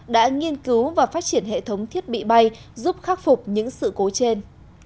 đã nghiên cứu và phát triển hệ thống thiết bị bay giúp khắc phục những sự cố trên